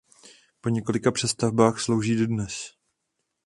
Po několika přestavbách slouží dodnes.